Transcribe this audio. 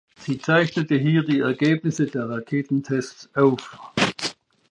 Sie zeichnete hier die Ergebnisse der Raketentests auf.